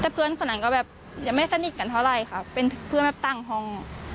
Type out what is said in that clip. แต่เพื่อนคนนั้นก็แบบยังไม่สนิทกันเท่าไหร่ค่ะเป็นเพื่อนแบบตั้งห้อง